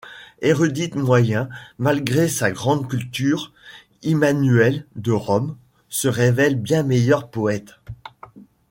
Érudit moyen malgré sa grande culture, Immanuel de Rome se révèle bien meilleur poète.